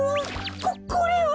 ここれは！